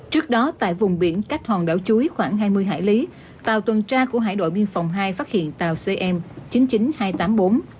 trước đó tại vùng biển cách hòn đảo chuối khoảng hai mươi hải lý tàu tuần tra của hải đội biên phòng ii phát hiện tàu cm chín mươi chín nghìn hai trăm tám mươi bốn bs có nhiều dấu hiệu nghi vấn nên kiểm tra